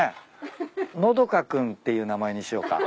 のどか君っていう名前にしようか。